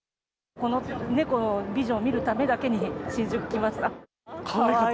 この猫のビジョンを見るためだけに新宿来ました。